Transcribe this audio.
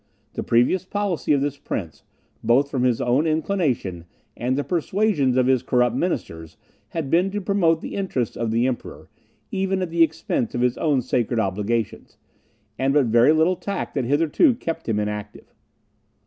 The previous policy of this prince, both from his own inclination, and the persuasions of his corrupt ministers had been to promote the interests of the Emperor, even at the expense of his own sacred obligations, and but very little tact had hitherto kept him inactive.